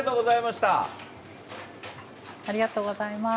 ありがとうございます。